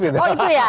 oh itu ya